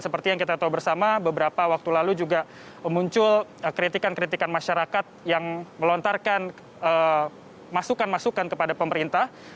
seperti yang kita tahu bersama beberapa waktu lalu juga muncul kritikan kritikan masyarakat yang melontarkan